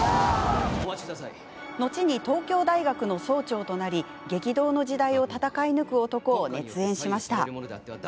後に東京大学の総長となり激動の時代を戦い抜く男を熱演しました。